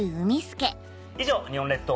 以上日本列島